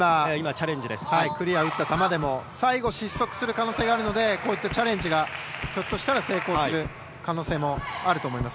打った球でも最後、失速する可能性があるのでチャレンジがひょっとしたら成功する可能性もあると思います。